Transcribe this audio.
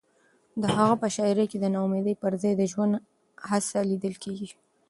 د هغه په شاعرۍ کې د ناامیدۍ پر ځای د ژوند هڅه لیدل کېږي.